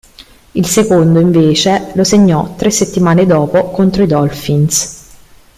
Il secondo invece lo segnò tre settimane dopo contro i Dolphins.